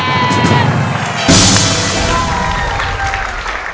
เริ่มครับ